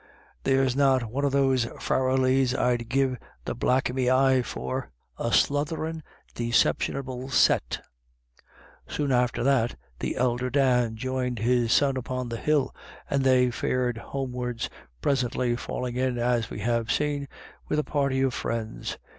There's not one of those Farrellys I'd give you the black of me eye for ; a slutherin', deceptionable set" Soon after this, the elder Dan joined his son upon the hill, and they fared homewards, presently falling in, as we have seen, with a party of friends.